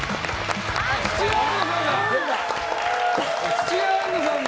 土屋アンナさんだ！